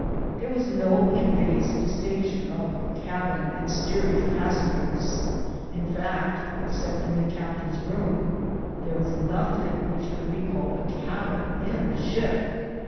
There was no invidious distinction of cabin and steerage passengers — in fact, excepting the captain's room, there was nothing which could be called a cabin in the ship.